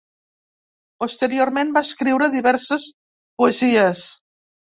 Posteriorment va escriure diverses poesies.